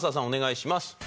お願いします。